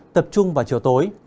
tập trung vào chiều tối